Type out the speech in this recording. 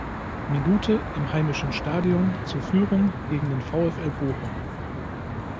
Minute im heimischen Stadion zur Führung gegen den VfL Bochum.